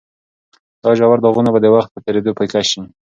دا ژور داغونه به د وخت په تېرېدو پیکه شي.